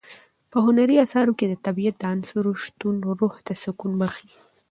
په هنري اثارو کې د طبیعت د عناصرو شتون روح ته سکون بښي.